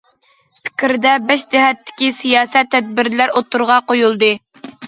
« پىكىر» دە بەش جەھەتتىكى سىياسەت، تەدبىرلەر ئوتتۇرىغا قويۇلدى.